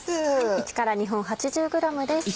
１２本８０ｇです。